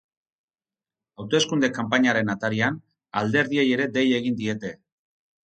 Hauteskunde kanpainaren atarian, alderdiei ere dei egin diete.